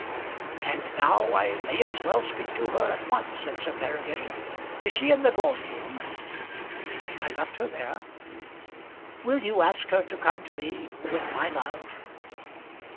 "And now I may as well speak to her at once," said Sir Peregrine. "Is she in the drawing room?" "I left her there." "Will you ask her to come to me with my love?"